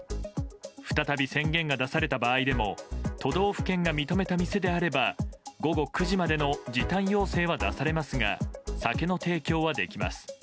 再び宣言が出された場合でも都道府県が認めた店であれば午後９時までの時短要請は出されますが酒の提供はできます。